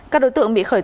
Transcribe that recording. các đối tượng bị khởi tố